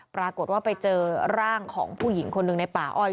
ปรากฏว่าไปเจอร่างของผู้หญิงคนหนึ่งในป่าอ้อย